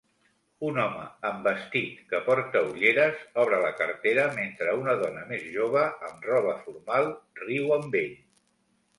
Un home amb vestit, que porta ulleres, obre la cartera mentre una dona més jove amb roba formal riu amb ell